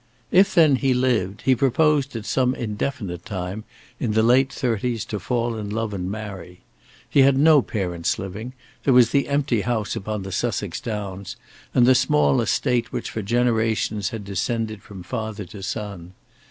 If then he lived, he proposed at some indefinite time, in the late thirties, to fall in love and marry. He had no parents living; there was the empty house upon the Sussex Downs; and the small estate which for generations had descended from father to son.